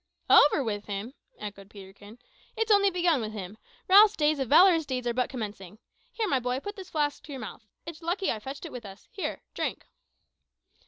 "Over with him!" echoed Peterkin; "it's only begun with him. Ralph's days of valorous deeds are but commencing. Here, my boy; put this flask to your mouth. It's lucky I fetched it with us. Here, drink."